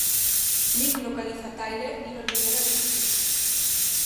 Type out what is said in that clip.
Nick localiza a Tyler y lo libera de su celda.